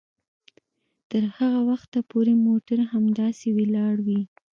تر هغه وخته پورې موټر همداسې ولاړ وي